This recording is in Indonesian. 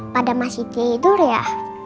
pada masih tidur ya